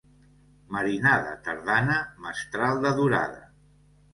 Marinada tardana, mestral de durada.